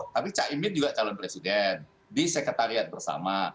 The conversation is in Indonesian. tapi caimin juga calon presiden di sekretariat bersama